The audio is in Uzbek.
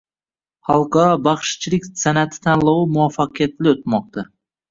Xalqaro baxshichilik san’ati tanlovi muvaffaqiyatli o‘tmoqda